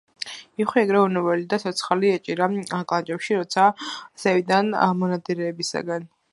იხვი ეგრევე უვნებელი და ცოცხალი ეჭირა კლანჭებში, როცა ზევიდან მონადირისაგან